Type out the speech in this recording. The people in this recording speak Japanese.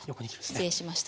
失礼しました。